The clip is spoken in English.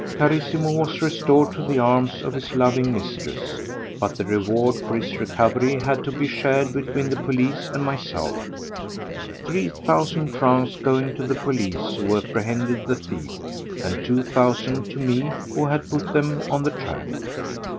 Carissimo was restored to the arms of his loving mistress, but the reward for his recovery had to be shared between the police and myself: three thousand francs going to the police who apprehended the thief, and two thousand to me who had put them on the track.